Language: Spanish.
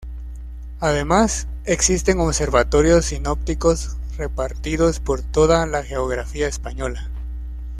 Además, existen observatorios sinópticos repartidos por toda la geografía española.